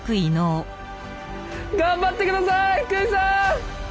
頑張って下さい福井さん！